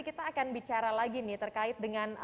kita akan bicara lagi nih terkait dengan